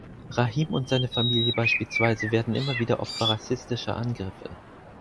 Rahim und seine Familie beispielsweise werden immer wieder Opfer rassistischer Angriffe.